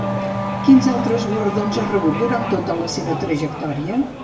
Quins altres guardons ha rebut durant tota la seva trajectòria?